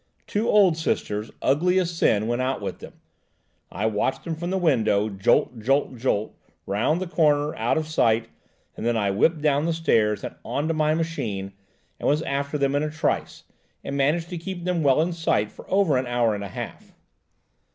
Two old Sisters, ugly as sin, went out with them. I watched them from the window, jolt, jolt, jolt, round the corner, out of sight, and then I whipped down the stairs, and on to my machine, and was after them in a trice and managed to keep them well in sight for over an hour and a half."